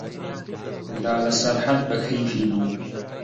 لالە سەرحەد بە کەیفی بوو.